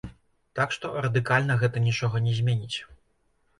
Так што, радыкальна гэта нічога не зменіць.